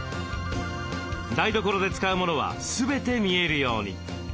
台所で使うモノは全て見えるように。